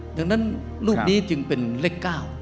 ดังนั้นรูปนี้จึงเป็นเลข๙